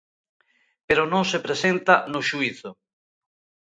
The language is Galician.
Pero non se presenta no xuízo.